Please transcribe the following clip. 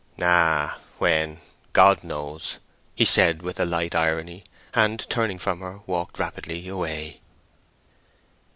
"Ah, when? God knows!" he said, with a light irony, and turning from her walked rapidly away.